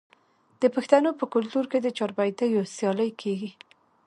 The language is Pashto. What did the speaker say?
د پښتنو په کلتور کې د چاربیتیو سیالي کیږي.